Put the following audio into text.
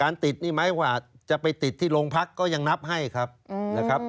การติดนี่ไม่ว่าจะไปติดที่โรงพักษณ์ก็ยังนับให้ครับ